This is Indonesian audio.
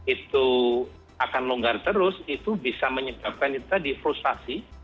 itu akan longgar terus itu bisa menyebabkan kita difrustasi